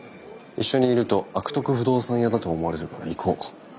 一緒にいると悪徳不動産屋だと思われるから行こう。